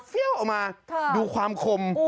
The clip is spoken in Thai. เข้ามาดูความคม